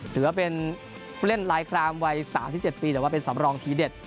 เสือเป็นเล่นรายคลามวัยสามสิบเจ็ดปีแต่ว่าเป็นสำรองทีเด็ด